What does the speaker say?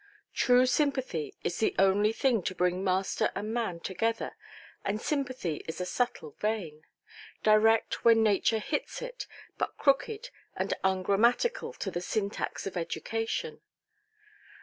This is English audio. True sympathy is the only thing to bring master and man together; and sympathy is a subtle vein, direct when nature hits it, but crooked and ungrammatical to the syntax of education.